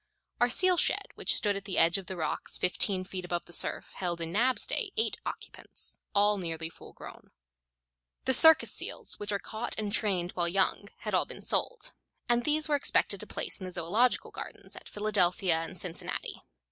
Our seal shed, which stood at the edge of the rocks fifteen feet above the surf, held in Nab's day eight occupants, all nearly full grown. The circus seals, which are caught and trained while young, had all been sold; and these we expected to place in the zoological gardens at Philadelphia and Cincinnati.